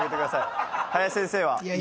林先生は。